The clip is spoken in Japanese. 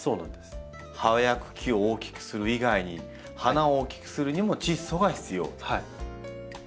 葉や茎を大きくする以外に花を大きくするにもチッ素が必要と。